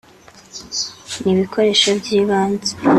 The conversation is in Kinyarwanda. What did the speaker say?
n’ibikoresho by’ibanze